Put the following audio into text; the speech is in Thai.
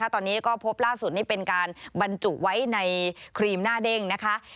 ตอนนี้ก็พบล่าสุดนี่เป็นการบรรจุไว้ในครีมหน้าเด้งนะคะ